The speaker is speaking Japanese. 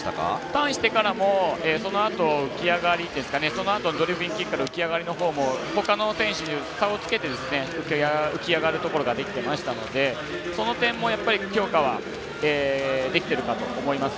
ターンしてからのそのあと、ドルフィンキックから浮き上がりのほうもほかの選手に差をつけて浮き上がるところができていましたのでその点もやっぱり強化はできてるかと思います。